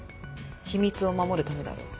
秘密を守るためだろう。